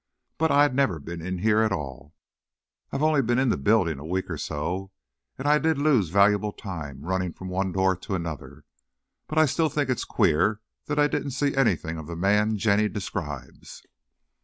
But I'd never been in here at all, I've only been in the building a week or so, and I did lose valuable time running from one door to another. But I still think it's queer that I didn't see anything of the man Jenny describes."